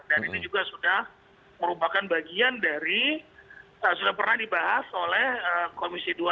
dan ini juga sudah merupakan bagian dari sudah pernah dibahas oleh komisi dua dpr